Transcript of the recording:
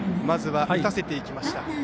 まずは打たせていきました。